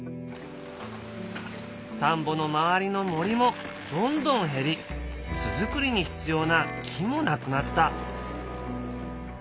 田んぼの周りの森もどんどん減り巣作りに必要な木もなくなった。